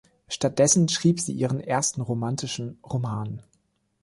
Stattdessen schrieb sie ihren ersten romantischen Roman.